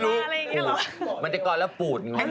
หรือว่าแบบว่าหนาวจังเลยผม